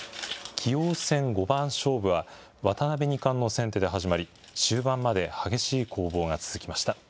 棋王戦五番勝負は、渡辺二冠の先手で始まり、終盤まで激しい攻防が続きました。